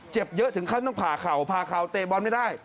เจ็บเยอะถึงขั้นต้องผ่าเข่าผ่าเข่าเตะบอลไม่ได้